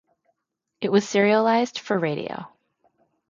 It was serialised for radio.